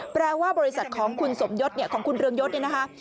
แปลว่าบริษัทของคุณสมยศเนี่ยของคุณเรืองยศเนี่ยนะคะ